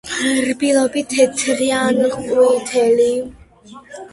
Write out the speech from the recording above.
რბილობი თეთრია ან ყვითელი.